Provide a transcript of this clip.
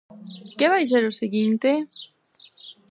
Que vai ser o seguinte?